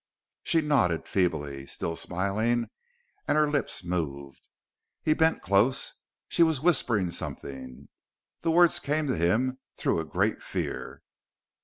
She nodded feebly, still smiling, and her lips moved. He bent close. She was whispering something. The words came to him through a great fear.